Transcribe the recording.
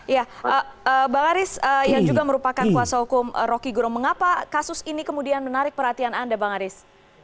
ya bang aris yang juga merupakan kuasa hukum roky gerung mengapa kasus ini kemudian menarik perhatian anda bang aris